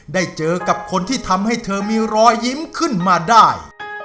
ได้เจอกับคนที่ทำให้เธอมีรอยยิ้มขึ้นมาได้